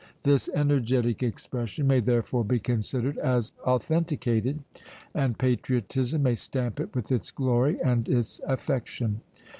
This energetic expression may therefore be considered as authenticated; and patriotism may stamp it with its glory and its affection.